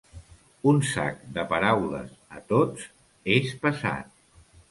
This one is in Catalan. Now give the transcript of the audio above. Un sac de paraules a tots és pesat.